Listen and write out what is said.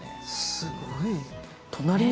すごい。